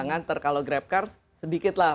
mengantar kalau grab car sedikitlah